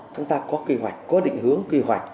chúng ta có kế hoạch có định hướng quy hoạch